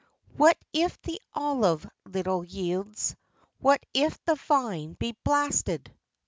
What if the olive little yields ? What if the vine be blasted